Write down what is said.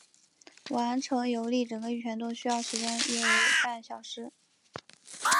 完成游历整个玉泉洞需要时间为约半小时。